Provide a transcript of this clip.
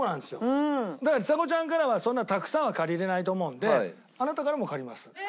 ちさ子ちゃんからはそんなたくさんは借りられないと思うんであなたからも借ります。